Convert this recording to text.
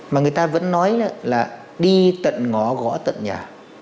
mà người ta vẫn nói đó là đi tận ngõ gõ tận nhà